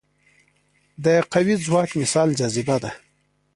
د قوي ځواک مثال جاذبه ده.